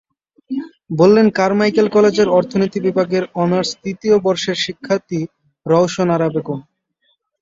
বললেন কারমাইকেল কলেজের অর্থনীতি বিভাগের অনার্স তৃতীয় বর্ষের শিক্ষার্থী রওশন আরা বেগম।